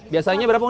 biasanya berapa ini